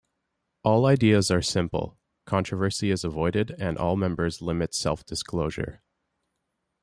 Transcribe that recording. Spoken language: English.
All ideas are simple, controversy is avoided and all members limit self-disclosure.